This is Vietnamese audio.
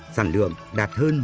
sản lượng đạt hơn